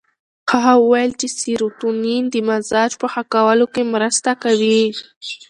هغه وویل چې سیروتونین د مزاج په ښه کولو کې مرسته کوي.